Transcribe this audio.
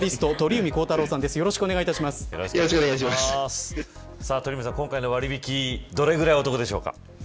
鳥海さん、今回の割引どれくらいお得でしょうか。